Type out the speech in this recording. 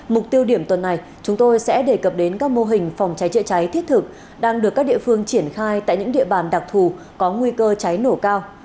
mục tiêu điểm tuần này chúng tôi sẽ đề cập đến các mô hình phòng cháy chữa cháy thiết thực đang được các địa phương triển khai tại những địa bàn đặc thù có nguy cơ cháy nổ cao